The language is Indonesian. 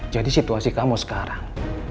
jadi situasi kamu sekarang